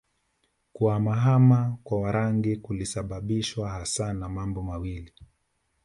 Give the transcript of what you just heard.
Kuhama hama kwa Warangi kulisababishwa hasa na mambo mawili